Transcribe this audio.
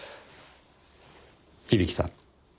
響さん。